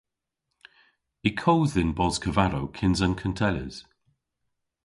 Y kodh dhyn bos kavadow kyns an kuntelles.